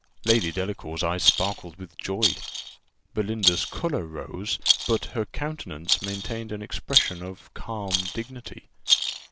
Lady Delacour's eyes sparkled with joy. Belinda's colour rose, but her countenance maintained an expression of calm dignity.